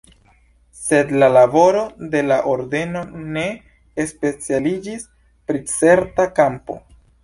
Sed la laboro de la ordeno ne specialiĝis pri certa kampo.